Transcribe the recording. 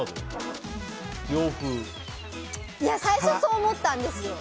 最初そう思ったんですよ。